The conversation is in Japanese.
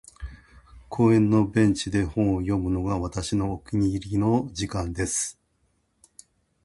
•公園のベンチで本を読むのが、私のお気に入りの時間です。